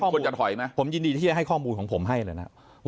ควรจะถอยไหมผมยินดีที่จะให้ข้อมูลของผมให้เลยนะ